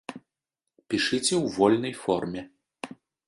Пішыце ў вольнай форме.